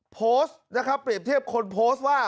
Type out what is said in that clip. โพสต์เปรียบเทียบคนโพสต์ว่า